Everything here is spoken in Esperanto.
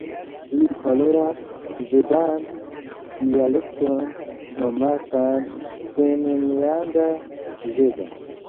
Ili parolas svedan dialekton nomatan "finnlanda sveda".